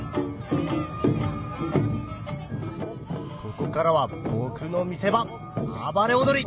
ここからは僕の見せ場暴れ踊り